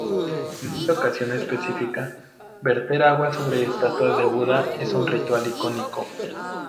En esta ocasión específica, verter agua sobre estatuas de Buda es un ritual icónico.